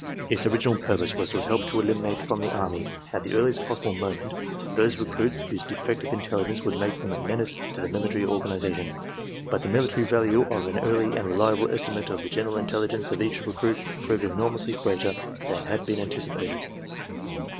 Its original purpose was to help to eliminate from the Army at the earliest possible moment those recruits whose defective intelligence would make them a menace to the military organization. But the military value of an early and reliable estimate of the general intelligence of each recruit proved enormously greater than had been anticipated.